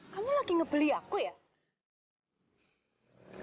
kamu lagi ngebeli aku ya